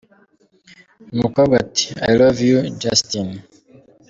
Uyu mukobwa ati: I Love u Justin!.